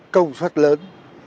công suất lớn